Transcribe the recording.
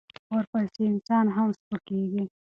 ورپسې انسان هم سپکېږي.